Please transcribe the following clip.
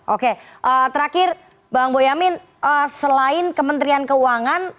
oke terakhir bang boyamin selain kementerian keuangan